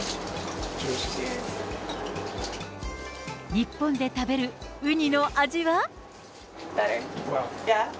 日本で食べるウニの味は？